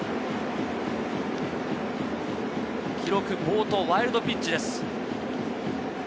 記録暴投、ワイルドピッチです。